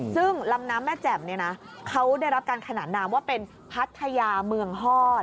ซึ่งลำน้ำแม่แจ่มเนี่ยนะเขาได้รับการขนานนามว่าเป็นพัทยาเมืองฮอด